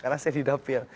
karena saya di dapil